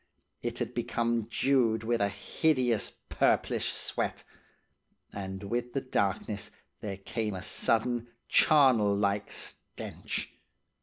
It had become dewed with a hideous, purplish sweat. And with the darkness there came a sudden charnel like stench.